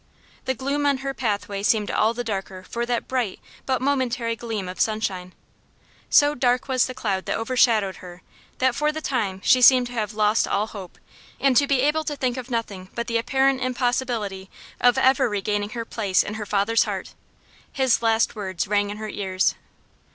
The gloom on her pathway seemed all the darker for that bright but momentary gleam of sunshine. So dark was the cloud that overshadowed her that for the time she seemed to have lost all hope, and to be able to think of nothing but the apparent impossibility of ever regaining her place in her father's heart. His last words rang in her ears.